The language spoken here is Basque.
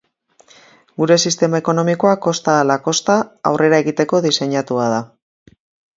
Gure sistema ekonomikoa kosta ala kosta aurrera egiteko diseinatu da.